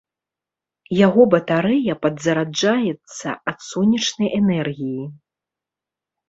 Яго батарэя падзараджаецца ад сонечнай энергіі.